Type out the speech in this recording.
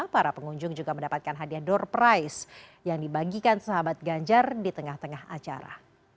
para pengunjung juga mendapatkan hadiah door price yang dibagikan sahabat ganjar di tengah tengah acara